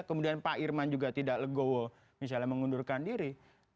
kemudian pak irman juga tidak legowo misalnya mengundurkan diri